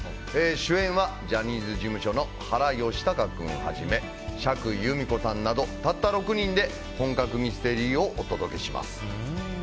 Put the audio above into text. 主演はジャニーズ事務所の原嘉孝君をはじめ釈由美子さんなど、たった６人で本格ミステリーをお届けします。